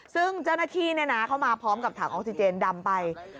ซึ่งเจ้าหน้าที่เข้ามาพร้อมกับถังออกซิเจนดำไป